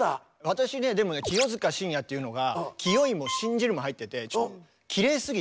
私ねでもね「清塚信也」っていうのが「清い」も「信じる」も入っててきれいすぎて重荷だったんですよ。